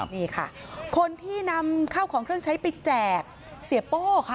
นี่ค่ะคนที่นำข้าวของเครื่องใช้ไปแจกเสียโป้ค่ะ